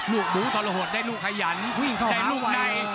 ลูกดูตลอดได้ลูกขยันได้ลูกใน